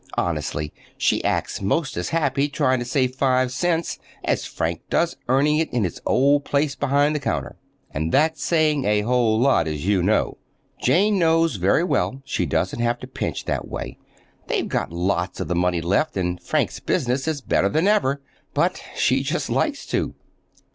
Honestly, she acts 'most as happy trying to save five cents as Frank does earning it in his old place behind the counter. And that's saying a whole lot, as you know. Jane knows very well she doesn't have to pinch that way. They've got lots of the money left, and Frank's business is better than ever. But she just likes to.